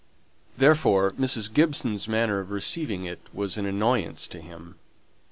Therefore Mrs. Gibson's manner of receiving it was an annoyance to him.